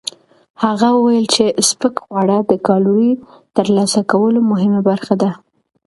هغه وویل چې سپک خواړه د کالورۍ ترلاسه کولو مهمه برخه ده.